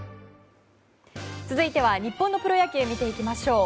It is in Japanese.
続いては日本のプロ野球見ていきましょう。